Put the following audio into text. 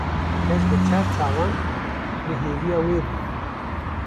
Ez bi çar çavan li hêviya wê bûm.